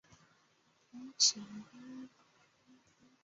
此后柬埔寨境内局势持续紧张。